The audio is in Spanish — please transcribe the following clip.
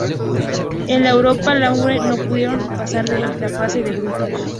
En la Europa League, no pudieron pasar de la fase de grupos.